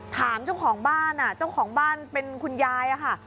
ถามเจ้าของบ้านเจ้าของบ้านเป็นคุณยายอะค่ะ